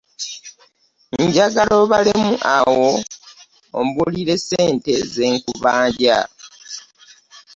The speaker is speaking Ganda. Njagala obalemu awo ombuulire ssente ze nkubanja.